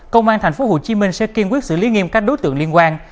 công an thành phố hồ chí minh sẽ kiên quyết xử lý nghiêm các đối tượng liên quan